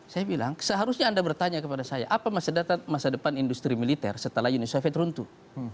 saya bilang seharusnya anda bertanya kepada saya apa masa depan industri militer setelah uni soviet runtuh